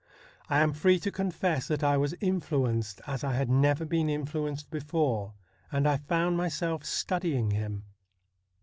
I am free to confess that I was influenced as I had never been influenced before, and I found myself studying him.